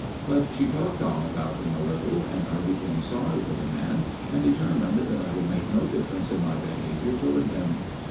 But she talked on about him a little, and I became sorry for the man and determined that I would make no difference in my behaviour toward him.